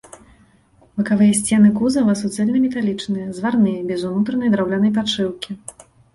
Бакавыя сцены кузава суцэльнаметалічныя, зварныя, без унутранай драўлянай падшыўкі.